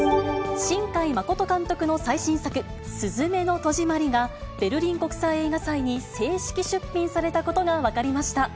新海誠監督の最新作、すずめの戸締まりが、ベルリン国際映画祭に正式出品されたことが分かりました。